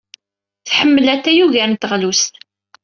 Tḥemmel atay ugar n teɣlust.